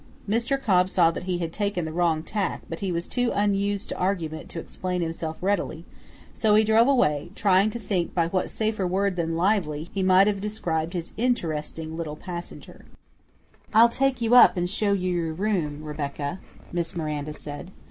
Mr. Cobb saw that he had taken the wrong tack, but he was too unused to argument to explain himself readily, so he drove away, trying to think by what safer word than "lively" he might have described his interesting little passenger. "I'll take you up and show you your room, Rebecca," Miss Miranda said.